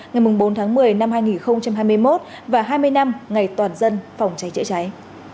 ngày bốn tháng một mươi năm hai nghìn hai mươi một và hai mươi năm ngày toàn dân phòng cháy chữa cháy